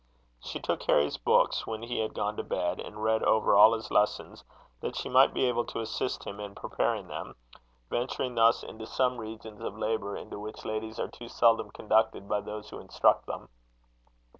She took Harry's books when he had gone to bed; and read over all his lessons, that she might be able to assist him in preparing them; venturing thus into some regions of labour into which ladies are too seldom conducted by those who instruct them.